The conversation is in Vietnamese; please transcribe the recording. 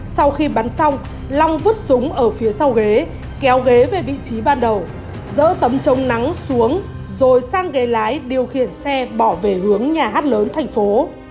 sau khi bắn xong long vứt súng ở phía sau ghế kéo ghế về vị trí ban đầu dỡ tấm chống nắng xuống rồi sang ghế lái điều khiển xe bỏ về hướng nhà hát lớn thành phố